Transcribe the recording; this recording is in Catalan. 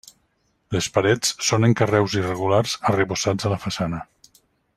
Les parets són en carreus irregulars arrebossats a la façana.